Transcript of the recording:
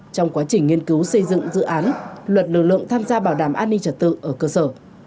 trong quá trình nghiên cứu xây dựng dự án luật lực lượng tham gia bảo đảm an ninh trật tự ở cơ sở